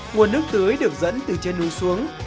nguồn nước tưới được dẫn từ trên núi xuống